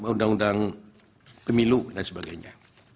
undang undang pemilu dan sebagainya